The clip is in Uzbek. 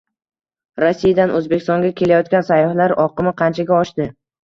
Rossiyadan O‘zbekistonga kelayotgan sayyohlar oqimi qanchaga oshdi?